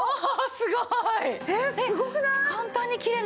すごーい！